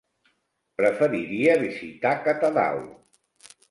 Preferiria visitar Catadau.